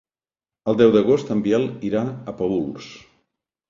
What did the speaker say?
El deu d'agost en Biel irà a Paüls.